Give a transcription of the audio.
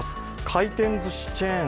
回転ずしチェーン